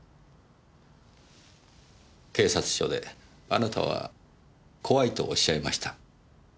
警察署であなたは怖いとおっしゃいました。